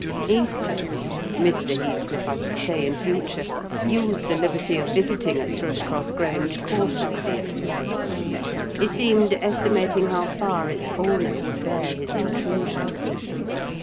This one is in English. Heathcliff—Mr. Heathcliff I should say in future—used the liberty of visiting at Thrushcross Grange cautiously, at first: he seemed estimating how far its owner would bear his intrusion.